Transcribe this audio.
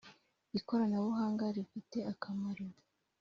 ikoranabuhanga rifite akamaro